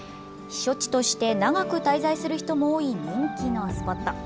避暑地として長く滞在する人も多い人気のスポット。